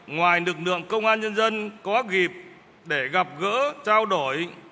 ngoài lực lượng công an nhân dân có dịp để gặp gỡ trao đổi